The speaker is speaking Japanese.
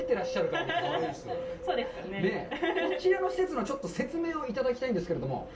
こちらの施設の説明をいただきたいんですけれども。